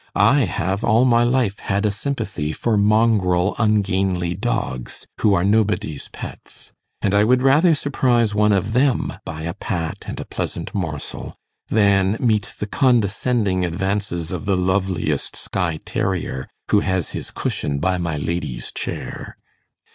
I have all my life had a sympathy for mongrel ungainly dogs, who are nobody's pets; and I would rather surprise one of them by a pat and a pleasant morsel, than meet the condescending advances of the loveliest Skye terrier who has his cushion by my lady's chair.